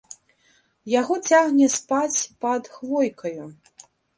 Яго цягне спаць пад хвойкаю.